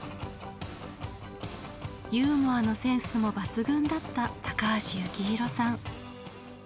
ユーモアのセンスも抜群だった高橋幸宏さん。